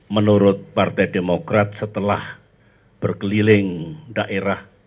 menurut partai demokrat setelah berkeliling daerah